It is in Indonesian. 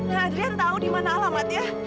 nah adrian tahu di mana alamatnya